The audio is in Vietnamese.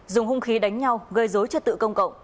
dùng hung khí đánh nhau gây dối trật tự công cộng